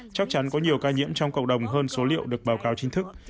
chắc chắn có nhiều ca nhiễm trong cộng đồng hơn số liệu được báo cáo chính thức